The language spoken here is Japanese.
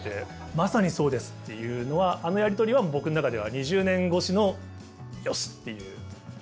「まさにそうです」っていうのはあのやり取りは僕の中では２０年越しの「よしっ」ていう。